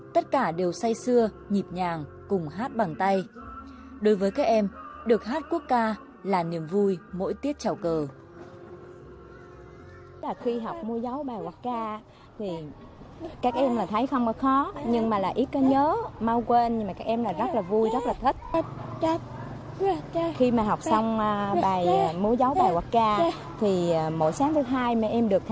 tất cả đều say xưa nhịp nhàng cùng hát bằng tay đối với các em được hát quốc ca là niềm vui mỗi tiết trào cờ